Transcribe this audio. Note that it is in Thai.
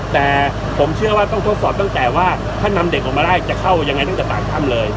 แต่ผมเชื่อว่าต้องทดสอบตั้งแต่ว่าท่านนำเด็กออกมาได้จะเข้ายังไงตั้งแต่ปากถ้ำเลย